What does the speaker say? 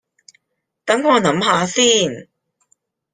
等我諗吓先